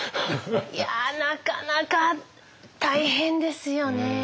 いやなかなか大変ですよね。